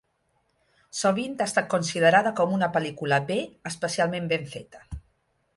Sovint ha estat considerada com a un pel·lícula B especialment ben feta.